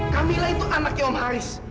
camilla itu anaknya om haris